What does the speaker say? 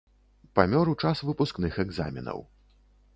Памёр у час выпускных экзаменаў.